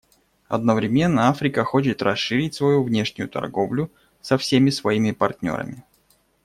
Одновременно Африка хочет расширить свою внешнюю торговлю со всеми своими партнерами.